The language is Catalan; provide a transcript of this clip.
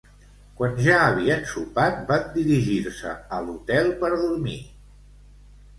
Quan ja havien sopat, van dirigir-se a l'hotel per dormir.